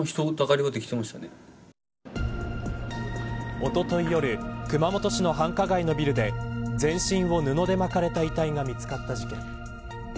おととい夜熊本市の繁華街のビルで全身を布で巻かれた遺体が見つかった事件。